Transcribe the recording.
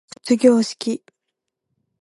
卒業式